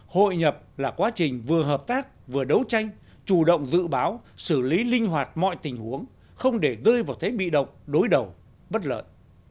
hội nhập là quá trình vừa hợp tác vừa đấu tranh chủ động dự báo xử lý linh hoạt mọi tình huống không để rơi vào thế bị động đối đầu bất lợi